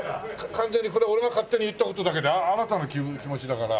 完全にこれは俺が勝手に言った事だけであなたの気持ちだから。